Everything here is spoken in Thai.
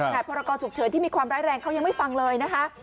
แต่พรกรฉุกเฉินที่มีความร้ายแรงเขายังไม่ฟังเลยนะคะ